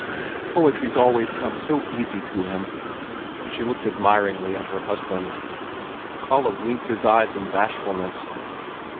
Poetry's always come so easy to him." She looked admiringly at her husband. Kalle blinked his eyes in bashfulness.